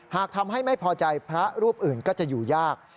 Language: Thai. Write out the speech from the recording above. หากทำให้ไม่พอใจพระรูปอื่นก็จะอยู่ยาก